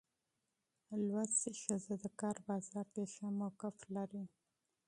زده کړه ښځه د کار بازار کې ښه موقف لري.